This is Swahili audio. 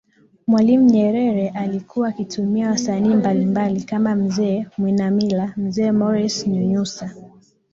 Mwalimu Nyerere alikuwa akitumia wasanii mbali mbali kama Mzee Mwinamila Mzee Moresi Nyunyusa